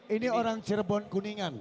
ini orang cirebon kuningan